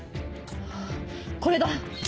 これだ！